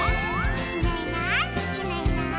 「いないいないいないいない」